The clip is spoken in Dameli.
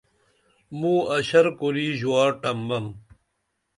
مو اشر کُری ژوار ٹم بم۔